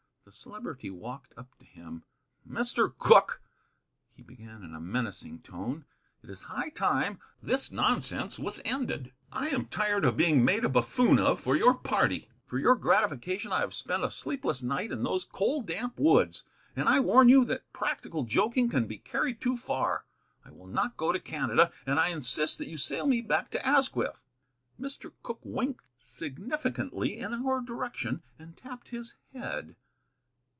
The Celebrity walked up to him. "Mr. Cooke," he began in a menacing tone, "it is high time this nonsense was ended. I am tired of being made a buffoon of for your party. For your gratification I have spent a sleepless night in those cold, damp woods; and I warn you that practical joking can be carried too far. I will not go to Canada, and I insist that you sail me back to Asquith." Mr. Cooke winked significantly in our direction and tapped his head.